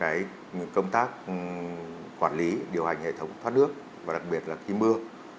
ứng dụng công tác quản lý điều hành hệ thống thoát nước và đặc biệt là khi mưa